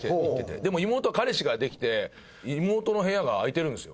でも妹は彼氏ができて妹の部屋が空いてるんですよ。